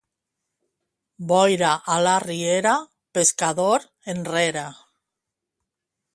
Boira a la riera, pescador, enrere.